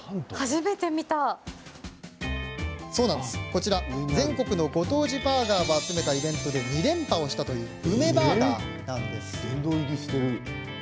こちらは全国のご当地バーガーを集めたイベントで２連覇したという梅バーガーです。